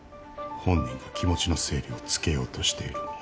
本人が気持ちの整理をつけようとしている。